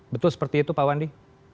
betul seperti itu pak wandi